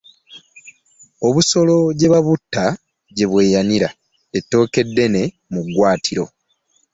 Obusolo gye babutta gye bweyunira ettooke eddene mu ggwaatiro.